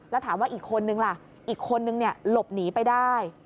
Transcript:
แล้วถามว่าอีกคนนึงล่ะอีกคนนึงหลบหนีไปได้